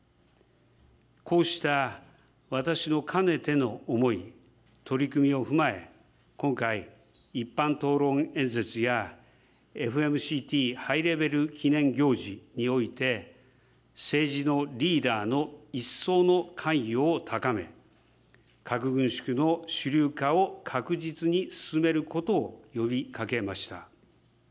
こうした私のかねての思い、取り組みを踏まえ、今回、一般討論演説やＦＭＣＴハイレベル記念行事において、政治リーダーの一層の関与を高め、核軍縮の主流化を確実に進めることを呼びかけました。